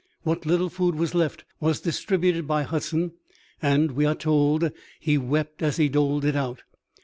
What little food was left was distributed by Hudson, and, we are told, he wept as he doled it out.